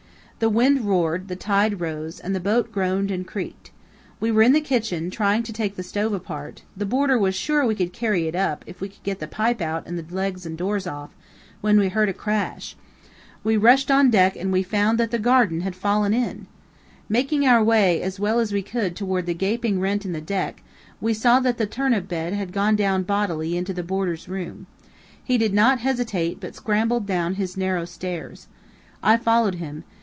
The wind roared, the tide rose, and the boat groaned and creaked. We were in the kitchen, trying to take the stove apart (the boarder was sure we could carry it up, if we could get the pipe out and the legs and doors off), when we heard a crash. We rushed on deck and found that the garden had fallen in! Making our way as well as we could toward the gaping rent in the deck, we saw that the turnip bed had gone down bodily into the boarder's room. He did not hesitate, but scrambled down his narrow stairs. I followed him.